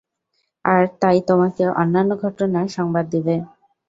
আর তাই তোমাকে অন্যান্য ঘটনার সংবাদ দিবে।